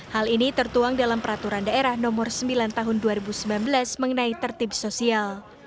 hal ini tertuang dalam peraturan daerah nomor sembilan tahun dua ribu sembilan belas mengenai tertib sosial